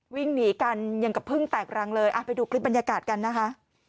วิ่งหนีกันอย่างกับเพิ่งแตกรังเลยไปดูคลิปบรรยากาศกันนะคะ